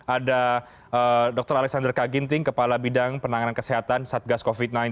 ada dr alexander kaginting kepala bidang penanganan kesehatan satgas covid sembilan belas